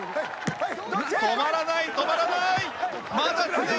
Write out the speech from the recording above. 止まらない止まらない！